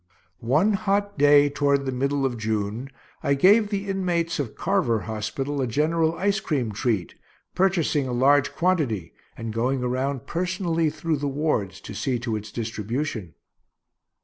One hot day toward the middle of June I gave the inmates of Carver hospital a general ice cream treat, purchasing a large quantity, and going around personally through the wards to see to its distribution.